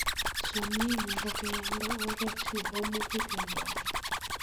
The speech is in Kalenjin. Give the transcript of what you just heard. Chamnyenyo ko kiande orit nebo muguleldo